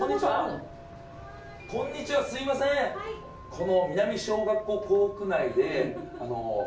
この南小学校校区内であの。